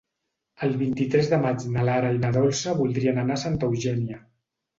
El vint-i-tres de maig na Lara i na Dolça voldrien anar a Santa Eugènia.